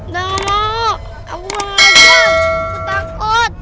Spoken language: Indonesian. gak mau aku takut